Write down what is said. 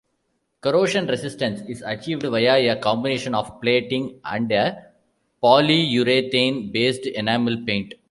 Corrosion resistance is achieved via a combination of plating and a polyurethane-based enamel paint.